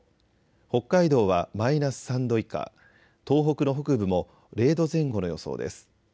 北海道はマイナス３度以下、東北の北部も０度前後の予想です。